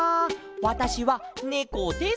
わたしはねこです」。